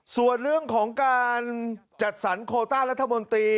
ส่วนเรื่องของการจัดสรรโคต้ารัฐมนตรี